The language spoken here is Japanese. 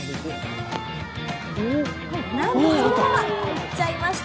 なんとそのまま入っちゃいました。